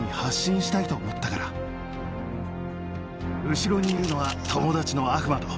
後ろにいるのは友達のアフマド。